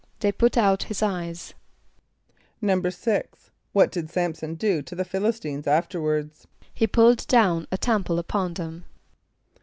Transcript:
=They put out his eyes.= =6.= What did S[)a]m´son do to the Ph[)i] l[)i]s´t[)i]ne[s+] afterward? =He pulled down a temple upon them.